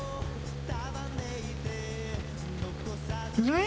うん！